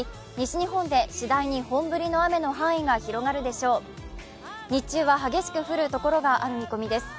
日中は激しく降るところがある見込みです。